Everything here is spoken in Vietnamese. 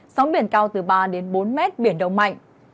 sóng biển cao từ ba bốn m biển đông mạnh